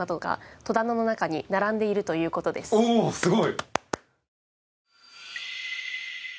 おおっすごい！